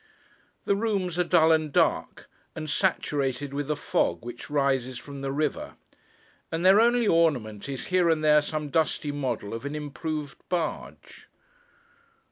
The rooms are dull and dark, and saturated with the fog which rises from the river, and their only ornament is here and there some dusty model of an improved barge.